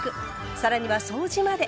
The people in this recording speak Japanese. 更には掃除まで。